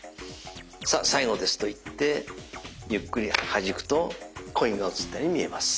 「さあ最後です」と言ってゆっくり弾くとコインが移ったように見えます。